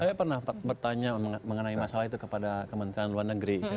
saya pernah bertanya mengenai masalah itu kepada kementerian luar negeri